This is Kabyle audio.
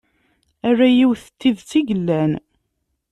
Ala yiwet n tidet i yellan.